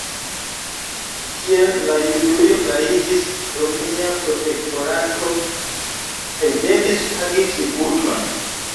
Tiel la Judujo fariĝis romia protektorato kaj devis pagi tributon.